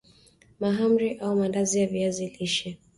mahamri au Maandazi ya viazi lishe